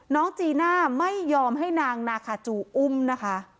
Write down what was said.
จีน่าไม่ยอมให้นางนาคาจูอุ้มนะคะ